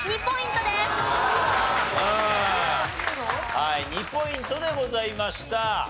２ポイントでございました。